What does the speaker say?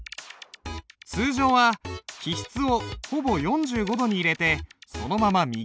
通常は起筆をほぼ４５度に入れてそのまま右に引く。